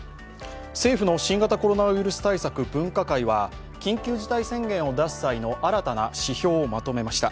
政府の新型コロナウイルス対策分科会は緊急事態宣言を出す際の新たな指標をまとめました。